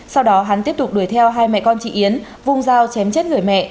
sau đó hắn tiếp tục đuổi theo hai mẹ con chị yến vùng dao chém chết người mẹ